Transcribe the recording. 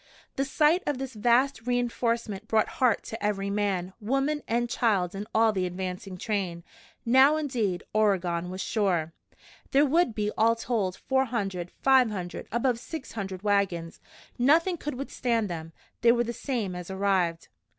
The sight of this vast re enforcement brought heart to every man, woman and child in all the advancing train. Now, indeed, Oregon was sure. There would be, all told, four hundred five hundred above six hundred wagons. Nothing could withstand them. They were the same as arrived!